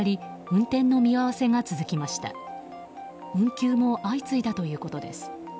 運休も相次いだということです。